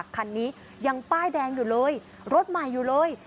คันนี้ยังป้ายแดงอยู่เลยรถใหม่อยู่เลย